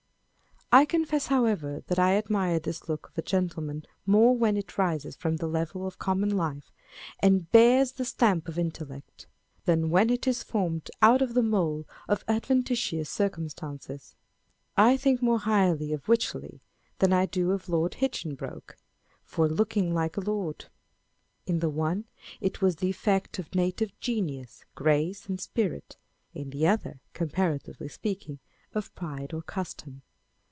I confess, however, that I admire this look of a gentle man more when it rises from the level of common life, and bears the stamp of intellect, than when it is formed out of the mould of adventitious circumstances. I think more highly of Wycherley than I do of Lord Hinchin broke, for looking like a lord. In the one it was the effect of native genius, grace, and spirit ; in the other, comparatively speaking, of pride or custom.